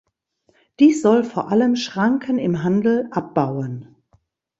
Dies soll vor allem Schranken im Handel abbauen.